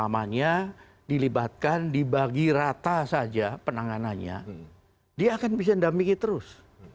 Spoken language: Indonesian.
anggarannya dilibatkan dibagi rata saja penangananya ia akan bisa mendampingi terus